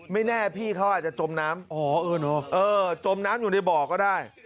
ไม่แน่พี่เขาอาจจะจมน้ำอ๋อเออจมน้ำอยู่ในบ่อก็ได้